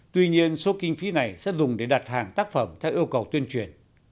tuy nhiên số kinh phí này sẽ dùng để đặt hàng tác phẩm theo yêu cầu tuyên truyền